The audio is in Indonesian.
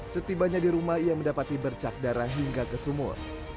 setibanya di rumah ia mendapati bercak darah hingga ke sumur